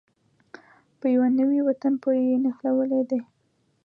په يوه نوي وطن پورې یې نښلولې دي.